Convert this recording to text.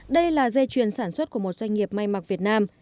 đây là dây chuyền sản xuất của một doanh nghiệp may mặc việt nam